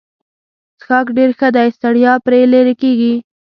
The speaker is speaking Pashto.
څښاک ډېر ښه دی ستړیا پرې لیرې کیږي.